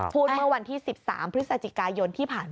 เมื่อวันที่๑๓พฤศจิกายนที่ผ่านมา